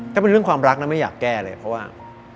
ถ้าเป็นเรื่องความรักนะไม่อยากแก้เลยเพราะว่า